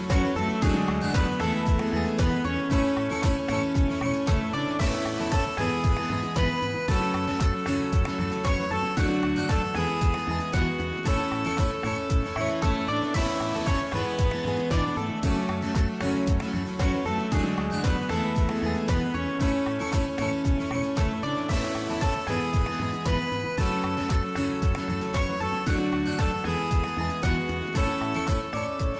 สวัสดีครับสวัสดีครับสวัสดีครับ